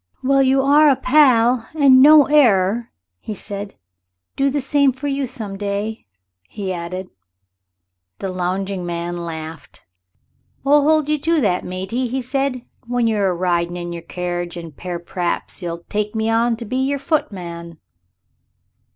"Well, you are a pal, and no error," he said. "Do the same for you some day," he added. The lounging man laughed. "I'll hold you to that, matey," he said; "when you're a ridin' in yer carriage an' pair p'raps you'll take me on ter be yer footman."